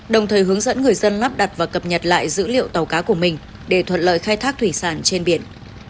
đồng thời hướng dẫn người dân lắp đặt và cập nhật lại dữ liệu tàu cá của mình để thuận lợi khai thác thủy sản trên biển